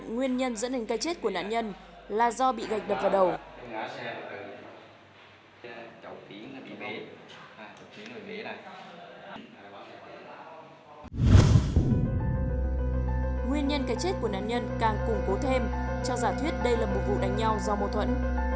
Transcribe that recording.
nguyên nhân cái chết của nạn nhân càng củng cố thêm cho giả thuyết đây là một vụ đánh nhau do mâu thuẫn